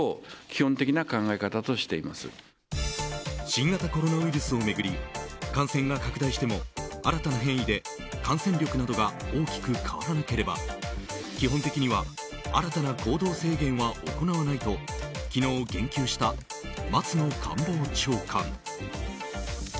新型コロナウイルスを巡り感染が拡大しても新たな変異で感染力などが大きく変わらなければ基本的には新たな行動制限は行わないと昨日、言及した松野官房長官。